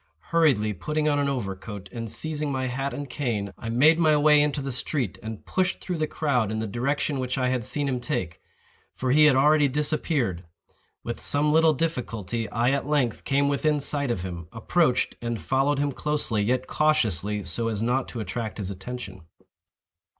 Hurriedly putting on an overcoat, and seizing my hat and cane, I made my way into the street, and pushed through the crowd in the direction which I had seen him take; for he had already disappeared. With some little difficulty I at length came within sight of him, approached, and followed him closely, yet cautiously, so as not to attract his attention.